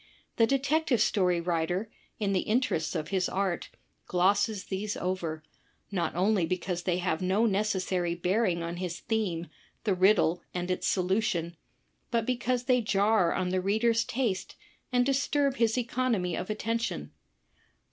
The Detective Story writer in the interests of his art glosses these over, not only because they have no necessary bearing on his theme^ "The riddle andjts sglutipu," but because they jar on the readePs taste and disturb his economy of attention.